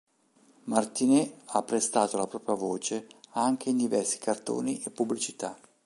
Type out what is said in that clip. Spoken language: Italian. Martinet ha prestato la propria voce anche in diversi cartoni e pubblicità.